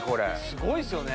すごいっすよね。